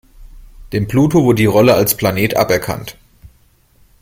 Dem Pluto wurde die Rolle als Planet aberkannt.